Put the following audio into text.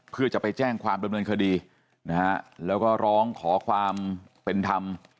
เพื่อจะไปแจ้งความดำเนินคดีนะฮะแล้วก็ร้องขอความเป็นธรรม